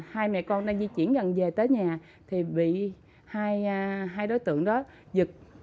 hai mẹ con đang di chuyển gần về tới nhà thì bị hai đối tượng đó giật